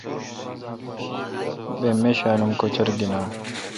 بہ میشالم کوچر گینان۔